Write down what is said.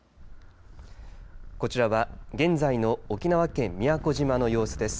こちらは現在の沖縄県宮古島の様子です。